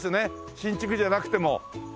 新築じゃなくても。